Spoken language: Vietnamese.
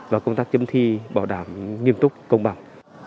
và công tác chấm thi bảo đảm nghiêm túc công bằng